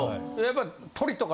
やっぱり。